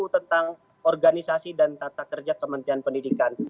tentang organisasi dan tata kerja kementerian pendidikan